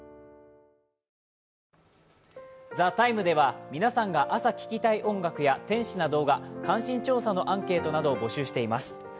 「ＴＨＥＴＩＭＥ，」では皆さんが朝聴きたい音楽や天使な動画、関心調査のアンケートなどを募集しています。